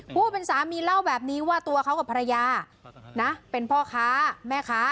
ผู้เป็นสามีเล่าแบบนี้ว่าตัวเขากับภรรยานะเป็นพ่อค้าแม่ค้า